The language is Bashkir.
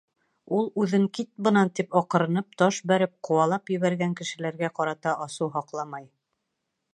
Ул үҙен «Кит бынан!» тип аҡырынып, таш бәреп, ҡыуалап ебәргән кешеләргә ҡарата асыу һаҡламай.